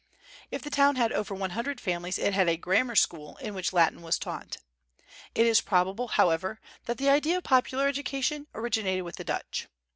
If the town had over one hundred families it had a grammar school, in which Latin was taught. It is probable, however, that the idea of popular education originated with the Dutch.